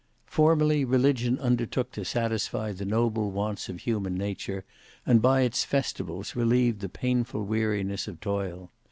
Formerly religion undertook to satisfy the noble wants of human nature, and by its festivals relieved the painful weariness of toil.